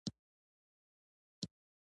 اوړه د لوی اختر خوراکي مواد دي